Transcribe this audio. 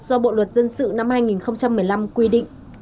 do bộ luật dân sự năm hai nghìn một mươi năm quy định